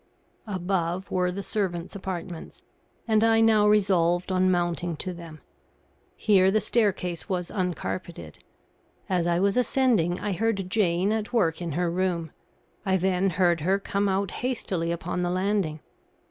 Above were the servants' apartments, and I now resolved on mounting to them. Here the staircase was uncarpeted. As I was ascending, I heard Jane at work in her room. I then heard her come out hastily upon the landing.